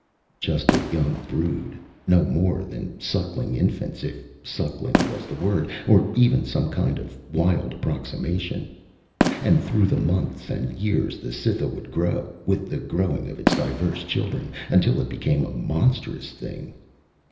Just a young brood, no more than suckling infants if suckling was the word, or even some kind of wild approximation. And through the months and years, the Cytha would grow, with the growing of its diverse children, until it became a monstrous thing.